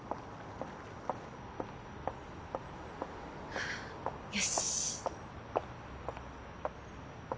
はぁよし。